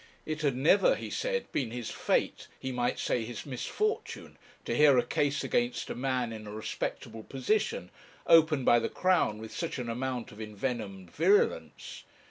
'It had never,' he said, 'been his fate, he might say his misfortune, to hear a case against a man in a respectable position, opened by the Crown with such an amount of envenomed virulence.'